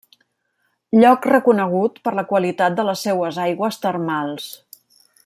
Lloc reconegut per la qualitat de les seues aigües termals.